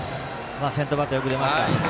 先頭バッターよく出ました。